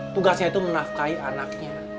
tugasnya itu menafkahi anaknya